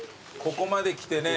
ここまで来てね。